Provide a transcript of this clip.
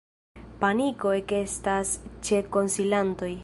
Paniko ekestas ĉe konsilantoj.